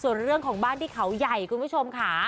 ส่วนเรื่องของบ้านที่เขาใหญ่คุณผู้ชมค่ะ